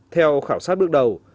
theo khảo sát bước đầu